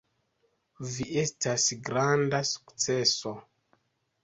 Vi estas granda sukceso.